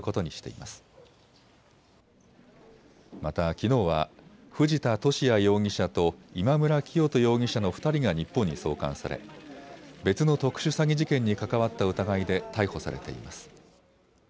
またきのうは藤田聖也容疑者と今村磨人容疑者の２人が日本に送還され、別の特殊詐欺事件に関わった疑いで逮捕されています。